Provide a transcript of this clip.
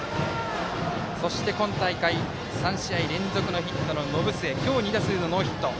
そして今大会３試合連続ヒットの延末、今日２打数のノーヒット。